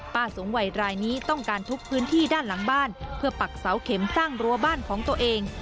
สูงวัยรายนี้ต้องการทุบพื้นที่ด้านหลังบ้านเพื่อปักเสาเข็มสร้างรั้วบ้านของตัวเอง